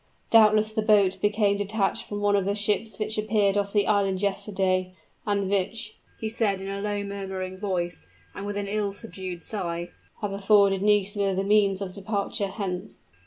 Doubtless the boat became detached from one of the ships which appeared off the island yesterday, and which," he said in a low murmuring voice, and with an ill subdued sigh, "have afforded Nisida the means of departure hence."